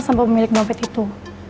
sama pemilik dompet itu